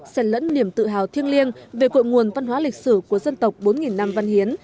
xen lẫn niềm tự hào thiêng liêng về cội nguồn văn hóa lịch sử của dân tộc bốn năm văn hiến